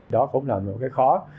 đó cũng là một cái khó